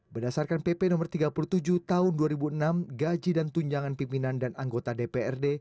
berdasarkan pp no tiga puluh tujuh tahun dua ribu enam gaji dan tunjangan pimpinan dan anggota dprd